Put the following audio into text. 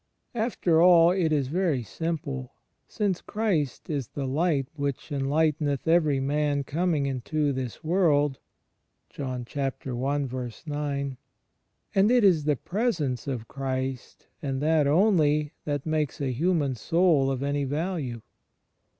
... After all it is very simple; since Christ is the "Light which enlighteneth every man coming into this world," ^ and it is the Presence of Christ, and that only, that makes a human soul of any value.